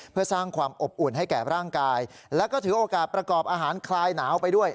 เพื่อสร้างความอบอุ่นให้แก่ร่างกายแล้วก็ถือโอกาสประกอบอาหารคลายหนาวไปด้วย